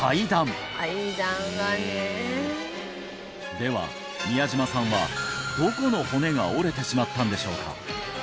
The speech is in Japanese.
では宮島さんはどこの骨が折れてしまったんでしょうか？